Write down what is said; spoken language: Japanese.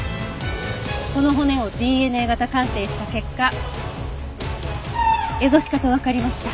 この骨をＤＮＡ型鑑定した結果エゾシカとわかりました。